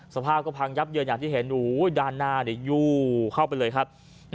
สภาพก็พังยับเยินอย่างที่เห็นด้านหน้ายู่เข้าไปเลยครับ